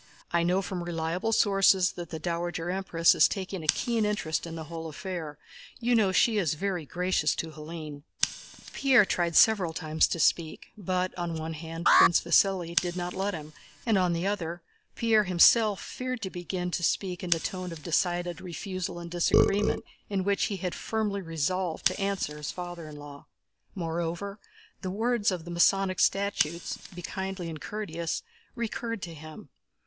"I know from reliable sources that the Dowager Empress is taking a keen interest in the whole affair. You know she is very gracious to Hélène." Pierre tried several times to speak, but, on one hand, Prince Vasíli did not let him and, on the other, Pierre himself feared to begin to speak in the tone of decided refusal and disagreement in which he had firmly resolved to answer his father in law. Moreover, the words of the Masonic statutes, "be kindly and courteous," recurred to him.